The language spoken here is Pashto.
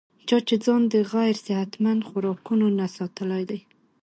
چا چې ځان د غېر صحتمند خوراکونو نه ساتلے دے